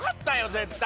絶対。